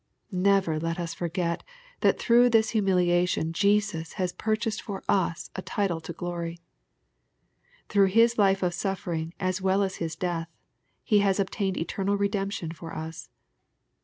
Never let us forget that through this humiliation Jesus has purchased for us a title to glory. Through His life of suflfering, as well as His death, He has obtained eternal redemption for us.